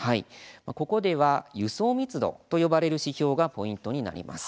ここでは輸送密度と呼ばれる指標がポイントになります。